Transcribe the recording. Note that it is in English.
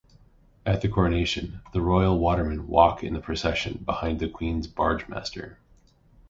At the coronation, the Royal Watermen walk in the procession behind The Queen's Bargemaster.